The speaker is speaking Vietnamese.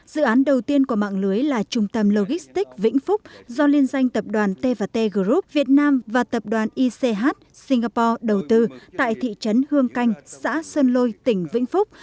dự án đầu tiên của mạng lưới là trung tâm logistics vĩnh phúc do liên danh tập đoàn tv group việt nam và tập đoàn ich singapore đầu tư tại thị trấn hương canh xã sơn lôi tỉnh vĩnh phúc